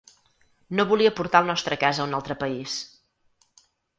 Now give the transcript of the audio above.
No volia portar el nostre cas a un altre país.